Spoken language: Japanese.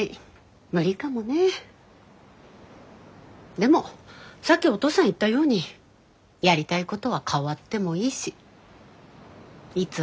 でもさっきおとうさん言ったようにやりたいことは変わってもいいしいつ始めてもいいんじゃない？